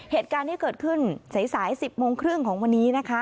เหตุการณ์ที่เกิดขึ้นสาย๑๐โมงครึ่งของวันนี้นะคะ